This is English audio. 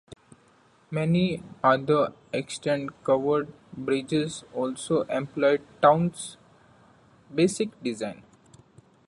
Many other extant covered bridges also employ Town's basic design.